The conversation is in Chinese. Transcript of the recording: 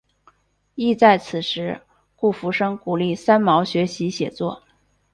亦在此时顾福生鼓励三毛学习写作。